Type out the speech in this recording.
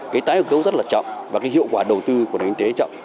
cái tái hợp tố rất là chậm và cái hiệu quả đầu tư của nền kinh tế chậm